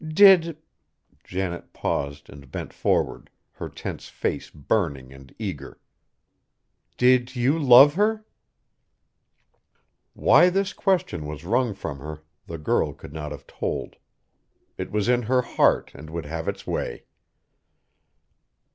"Did" Janet paused and bent forward, her tense face burning and eager "did you love her?" Why this question was wrung from her, the girl could not have told. It was in her heart and would have its way.